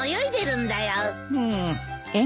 うん。